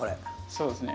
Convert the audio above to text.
そうですね。